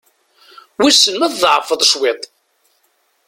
Wissen ma tḍeɛfeḍ cwiṭ?